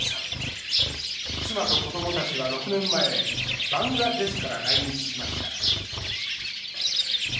妻と子どもたちは６年前バングラデシュから来日しました。